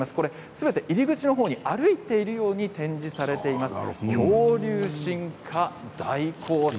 すべて入り口の方に歩いているように展示されています。